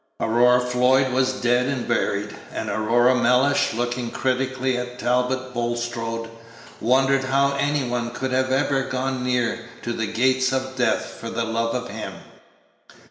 Aurora Floyd was dead and buried, and Aurora Mellish, looking critically at Talbot Bulstrode, wondered how any one could have ever gone near to the gates of death for the love of him.